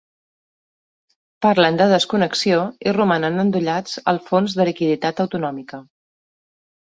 Parlen de desconnexió i romanen endollats al fons de liquiditat autonòmica.